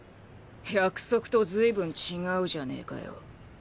約束とずいぶん違うじゃねえかよ。